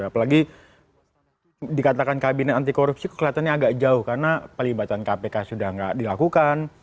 apalagi dikatakan kabinet anti korupsi kelihatannya agak jauh karena pelibatan kpk sudah tidak dilakukan